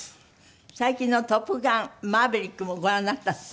最近の『トップガンマーヴェリック』もご覧になったって。